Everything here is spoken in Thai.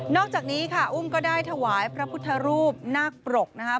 อกจากนี้ค่ะอุ้มก็ได้ถวายพระพุทธรูปนาคปรกนะครับ